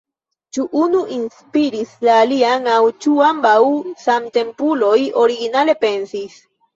Ĉu unu inspiris la alian aŭ ĉu ambaŭ, samtempuloj, originale pensis?